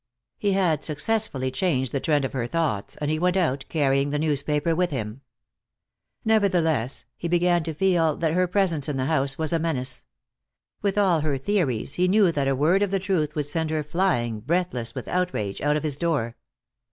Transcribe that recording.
He had successfully changed the trend of her thoughts, and he went out, carrying the newspaper with him. Nevertheless, he began to feel that her presence in the house was a menace. With all her theories he knew that a word of the truth would send her flying, breathless with outrage, out of his door.